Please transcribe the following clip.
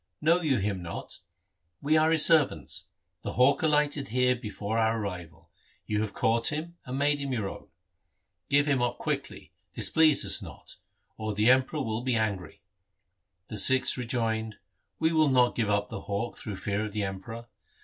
Know you him not ? We are his servants. The hawk alighted here before our arrival. You have caught him, and made him your own. Give him up quickly, displease us not, or the Emperor will be angry.' The Sikhs rejoined, 'We will not give Up the hawk through fear of the Emperor.